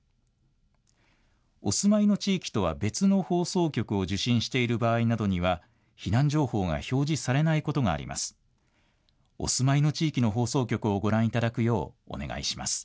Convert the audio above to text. お住まいの地域とは別の放送局を受信している場合などには、避難情報が表示されないことがあります。